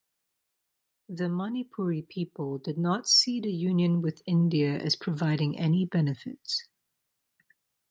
The Manipuri people did not see the union with India as providing any benefits.